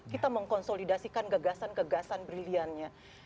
kita mengkonsolidasikan gegasan gegasan briliannya